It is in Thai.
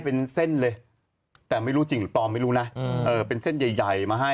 เป็นเส้นเลยแต่ไม่รู้จริงหรือปลอมไม่รู้นะเป็นเส้นใหญ่ใหญ่มาให้